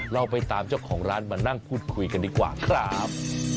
เราไปตามเจ้าของร้านมานั่งพูดคุยกันดีกว่าครับ